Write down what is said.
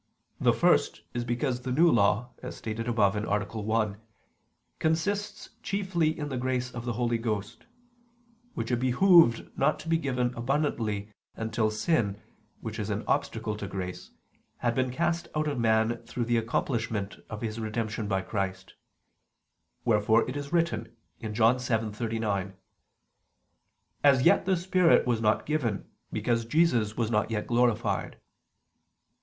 The first is because the New Law, as stated above (A. 1), consists chiefly in the grace of the Holy Ghost: which it behoved not to be given abundantly until sin, which is an obstacle to grace, had been cast out of man through the accomplishment of his redemption by Christ: wherefore it is written (John 7:39): "As yet the Spirit was not given, because Jesus was not yet glorified."